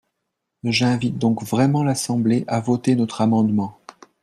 J’invite donc vraiment l’Assemblée à voter notre amendement.